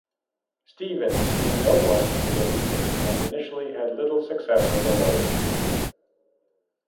Stevens knew no one in Gettysburg, and initially had little success as a lawyer.